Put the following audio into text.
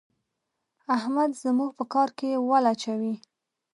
احمد زموږ په کار کې ول اچوي.